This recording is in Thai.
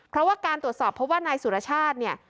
เพราะว่าการตรวจสอบเพราะว่านายสุรชาติเนี่ย